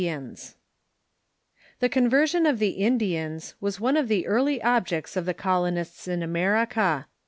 ] The conversion of the Indians was one of the early objects of the colonists in America.